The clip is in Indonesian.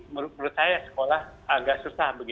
menurut saya sekolah agak susah